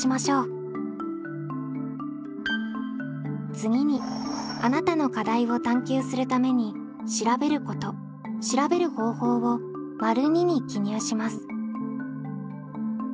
次にあなたの課題を探究するために「調べること」「調べる方法」を②に記入します。